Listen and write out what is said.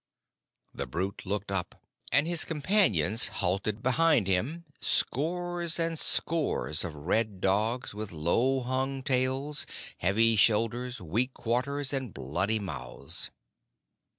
The brute looked up, and his companions halted behind him, scores and scores of red dogs with low hung tails, heavy shoulders, weak quarters, and bloody mouths.